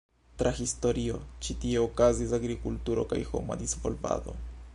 Tra historio, ĉi tie okazis agrikulturo kaj homa disvolvado.